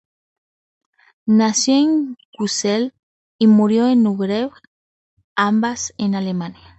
Nació en Kusel y murió en Nuremberg ambas en Alemania.